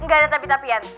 gak ada tapi tapian